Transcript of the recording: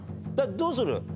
どうする？